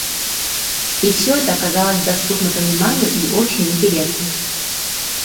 И всё это оказалось доступно пониманию и очень интересно.